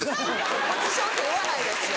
ポジションっていわないですよ。